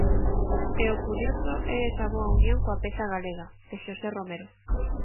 E o curioso é esa boa unión coa peza galega, de Xosé Romero.